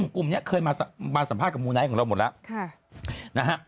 กลุ่มนี้เคยมาสัมภาษณ์กับมูไนท์ของเราหมดแล้วนะฮะ